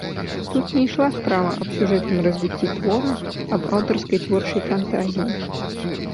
Тут не ішла справа аб сюжэтным развіцці твора, аб аўтарскай творчай фантазіі.